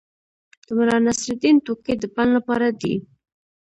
د ملانصرالدین ټوکې د پند لپاره دي.